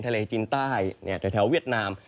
ทะเลจีนใต้แถวเวียดนาม